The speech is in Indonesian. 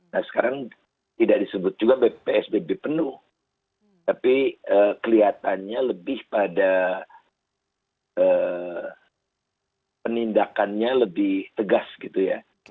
nah sekarang tidak disebut juga psbb penuh tapi kelihatannya lebih pada penindakannya lebih tegas gitu ya